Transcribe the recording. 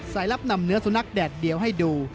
ลับนำเนื้อสุนัขแดดเดียวให้ดู